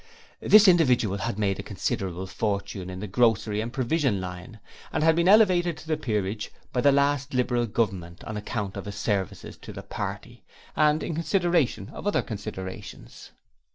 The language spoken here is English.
This individual had made a considerable fortune in the grocery and provision line, and had been elevated to the Peerage by the last Liberal Government on account of his services to the Party, and in consideration of other considerations.